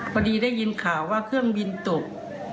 พอดีได้ยินข่าวว่าเครื่องบินตก